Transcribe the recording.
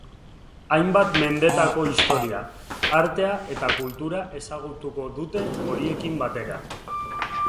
Hainbat mendetako historia, artea eta kultura ezagutuko dute horiekin batera.